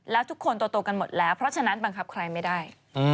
แล้วทุกคนโตกันหมดแล้วเพราะฉะนั้นบังคับใครไม่ได้